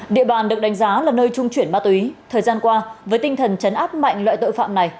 địa bàn được đánh giá là nơi trung chuyển ma túy thời gian qua với tinh thần chấn áp mạnh loại tội phạm này